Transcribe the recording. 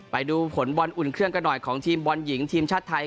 ไปดูผลบอลอุ่นเครื่องกันหน่อยของทีมบอลหญิงทีมชาติไทย